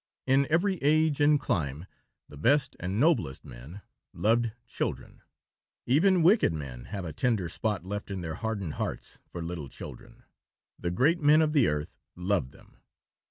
In every age and clime the best and noblest men loved children. Even wicked men have a tender spot left in their hardened hearts for little children. The great men of the earth love them.